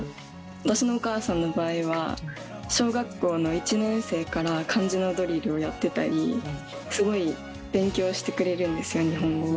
私のお母さんの場合は小学校の１年生から漢字のドリルをやってたりすごい勉強してくれるんですよ日本語を。